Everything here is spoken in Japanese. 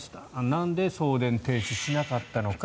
なんで送電停止しなかったのか。